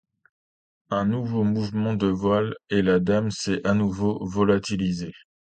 Un nouveau mouvement de voile et la dame s’est à nouveau volatilisée.